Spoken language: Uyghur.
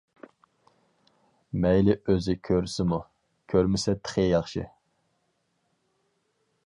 مەيلى ئۆزى كۆرسىمۇ، كۆرمىسە تېخى ياخشى!